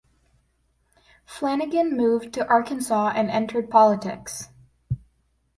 Flanagin moved to Arkansas and entered politics.